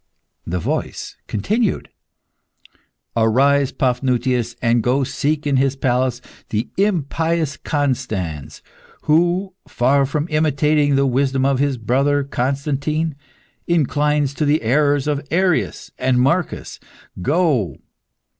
The voice continued "Arise, Paphnutius, and go seek in his palace the impious Constans, who, far from imitating the wisdom of his brother, Constantine, inclines to the errors of Arius and Marcus. Go!